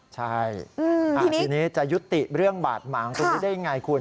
ใช่ทีนี้จะยุติเรื่องบาดหมางตรงนี้ได้ยังไงคุณ